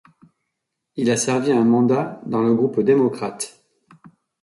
Il a servi un mandat dans le groupe démocrate.